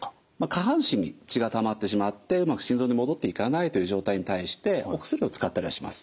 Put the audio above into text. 下半身に血がたまってしまってうまく心臓に戻っていかないという状態に対してお薬を使ったりはします。